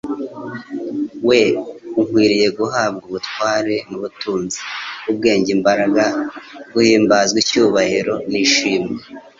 we ukwiriye guhabwa ubutware n'ubutunzi, ubwenge, imbaraga, guhimbazwa, icyubahiro u'ishimwe.'''»